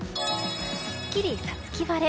すっきり五月晴れ。